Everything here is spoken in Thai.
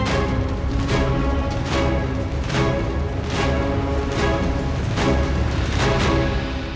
โปรดติดตามตอนต่อไป